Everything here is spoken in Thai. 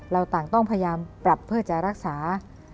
เราต่างต้องพยายามปรับเพื่อจะรักษา